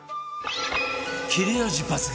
切れ味抜群！